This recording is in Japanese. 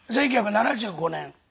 １９７５年。